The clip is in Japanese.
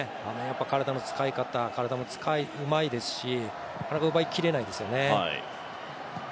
体の使い方もうまいですし奪いきれないですよね。